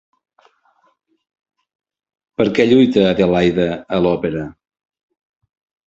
Per què lluita Adelaide a l'òpera?